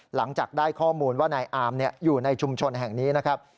หลังจากได้ข้อมูลว่านายอามอยู่ในชุมชนแห่งนี้นะครับ